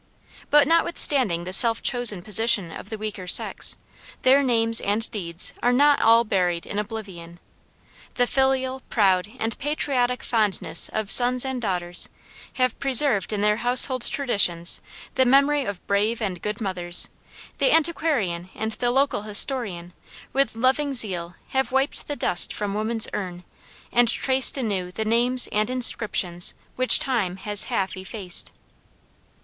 But notwithstanding the self chosen position of the weaker sex, their names and deeds are not all buried in oblivion. The filial, proud, and patriotic fondness of sons and daughters have preserved in their household traditions the memory of brave and good mothers; the antiquarian and the local historian, with loving zeal have wiped the dust from woman's urn, and traced anew the names and inscriptions which time has half effaced.